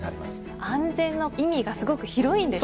安全の意味がすごく広いんですね。